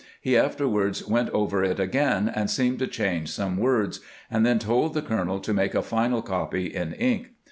He afterward went over it again, and seemed to change some words, and then told the colonel to make a final copy in ink.